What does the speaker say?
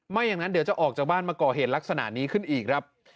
ไม่อย่างนั้นเดี๋ยวจะออกจากบ้านมาก่อเหตุลักษณะนี้ขึ้นอีกครับ